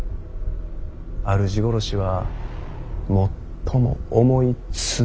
主殺しは最も重い罪。